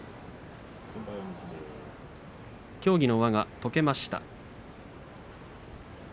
協議の輪が解けました。